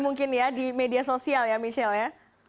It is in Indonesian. mungkin ya di media sosial ya michelle ya